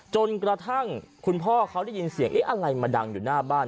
จนกระทั่งคุณพ่อเขาได้ยินเสียงเอ๊ะอะไรมาดังอยู่หน้าบ้าน